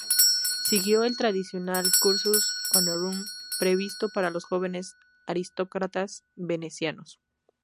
Siguió el tradicional "cursus honorum" previsto para los jóvenes aristócratas venecianos.